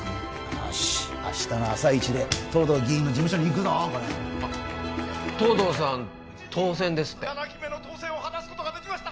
よし明日の朝一で藤堂議員の事務所に行くぞ藤堂さん当選ですって７期目の当選を果たすことができました